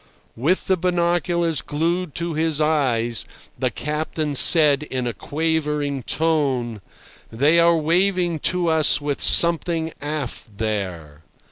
With the binoculars glued to his eyes, the captain said in a quavering tone: "They are waving to us with something aft there."